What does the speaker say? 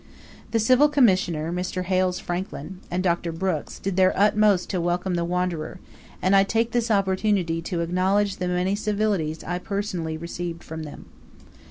The Civil Commissioner, Mr. Hales Franklyn, and Dr. Brooks, did their utmost to welcome the wanderer, and I take this opportunity to acknowledge the many civilities I personally received from them.